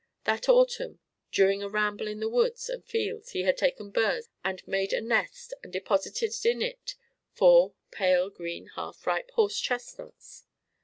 That autumn during a ramble in the woods and fields he had taken burrs and made a nest and deposited in it four pale green half ripe horse chestnuts.